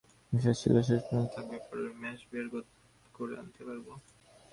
বিশ্বাস ছিল, শেষ পর্যন্ত থাকতে পারলে ম্যাচ বের করে আনতে পারব।